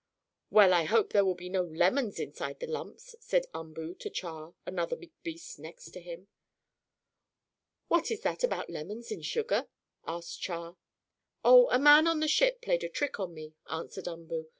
"Well, I hope there will be no lemons inside the lumps," said Umboo to Char, another big beast next to him. "What is that about lemons in sugar?" asked Char. "Oh, a man on the ship played a trick on me," answered Umboo.